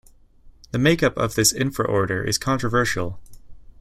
The makeup of this infraorder is controversial.